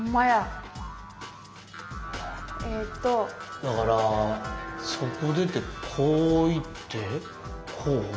だからそこ出てこう行ってこう？